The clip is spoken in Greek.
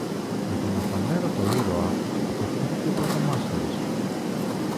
Για τον Αφανέρωτο Ήρωα, αποκρίθηκε ο πρωτομάστορης.